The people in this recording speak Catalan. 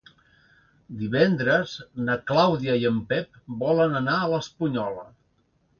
Divendres na Clàudia i en Pep volen anar a l'Espunyola.